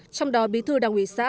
trong đó bí thư đảng ủy xã